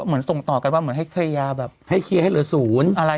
ส่งต่อกันว่าเหมือนให้เคลียร์แบบให้เคลียร์ให้เหลือศูนย์อะไร